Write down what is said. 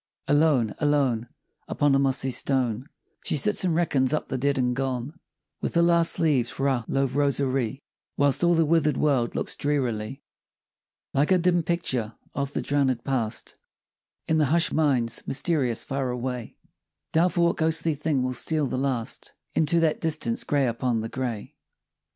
Alone, alone, Upon a mossy stone, She sits and reckons up the dead and gone, With the last leaves for a love rosary; Whilst all the wither'd world looks drearily, Like a dim picture of the drownëd past In the hush'd mind's mysterious far away, Doubtful what ghostly thing will steal the last Into that distance, gray upon the gray.